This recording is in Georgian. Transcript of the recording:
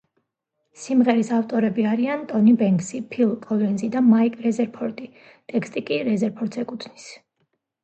სიმღერის ავტორები არიან ტონი ბენქსი, ფილ კოლინზი და მაიკ რეზერფორდი, ტექსტი კი რეზერფორდს ეკუთვნის.